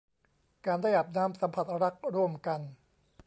การได้อาบน้ำสัมผัสรักร่วมกัน